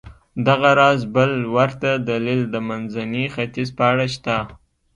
دغه راز بل ورته دلیل د منځني ختیځ په اړه شته.